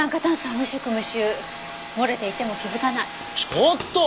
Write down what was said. ちょっと！